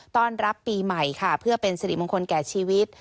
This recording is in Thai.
ต้อนรับปีใหม่ค่ะเพื่อเป็นสิริมงคลแก่ชีวิต